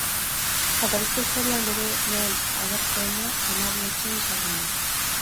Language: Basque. Jatorrizko istorioan, bere lehen agerpena Hamabi Etxeen sagan da.